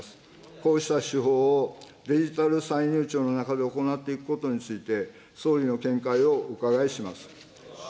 こうした手法をデジタル歳入庁の中で行っていくことについて、総理の見解をお伺いします。